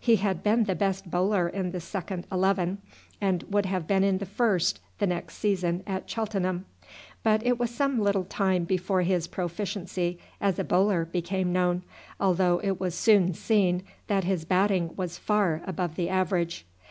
He had been the best bowler in the second eleven, and would have been in the first the next season at Cheltenham. But it was some little time before his proficiency as a bowler became known, although it was soon seen that his batting was far above the average.